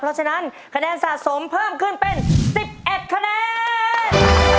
เพราะฉะนั้นคะแนนสะสมเพิ่มขึ้นเป็น๑๑คะแนน